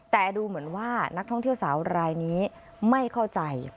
แต่ดูเหมือนว่านักท่องเที่ยวสาวรายนี้ไม่เข้าใจ